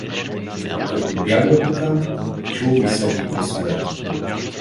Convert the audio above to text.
Като бягал така, чул високи гласове.